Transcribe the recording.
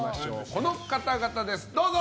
この方々です、どうぞ！